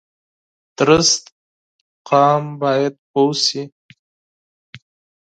درست قام باید پوه شي